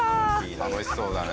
楽しそうだね。